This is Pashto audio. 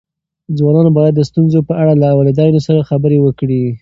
ځوانان باید د ستونزو په اړه له والدینو سره خبرې وکړي.